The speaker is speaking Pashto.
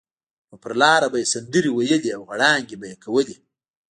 نو پر لاره به یې سندرې ویلې او غړانګې به یې کولې.